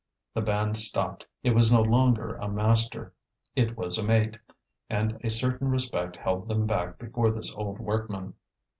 The band stopped. It was no longer a master, it was a mate; and a certain respect held them back before this old workman.